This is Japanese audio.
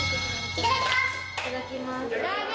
いただきます！